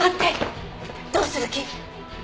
どうする気？